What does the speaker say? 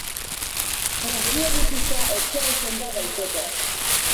Bronkiolitisa etxean senda daiteke.